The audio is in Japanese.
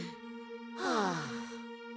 はあ。